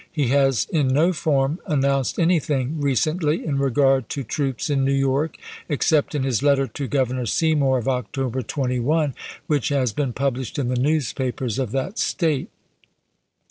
He has, in no form, announced anything re cently in regard to troops in New York, except in his letter to Governor Seymour of October 21, which has been published in the newspapers of that State.